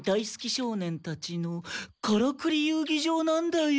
少年たちのカラクリ遊ぎ場なんだよ。